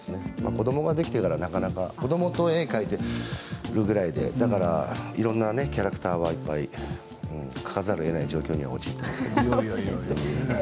子どもができてからはねあんまりないですけど子どもと絵を描いているくらいでいろんなキャラクターはいっぱい描かざるをえない状況に陥っていますけれど。